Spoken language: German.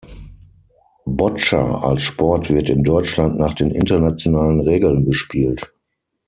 Boccia als Sport wird in Deutschland nach den internationalen Regeln gespielt.